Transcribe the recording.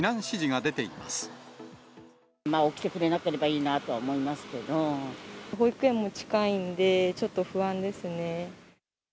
起きてくれなければいいなと保育園も近いんで、ちょっと不安ですね。